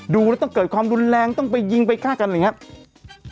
ดูแล้วต้องเกิดความรุนแรงต้องไปยิงไปฆ่ากันอะไรอย่างนี้